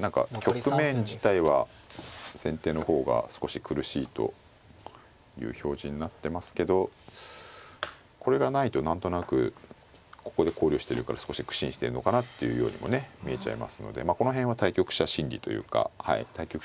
何か局面自体は先手の方が少し苦しいという表示になってますけどこれがないと何となくここで考慮してるから少し苦心してるのかなっていうようにもね見えちゃいますのでこの辺は対局者心理というか対局者